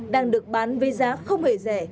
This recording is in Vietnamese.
đang được bán với giá không hề rẻ